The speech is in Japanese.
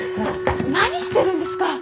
何してるんですか！